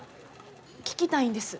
聞きたいんです。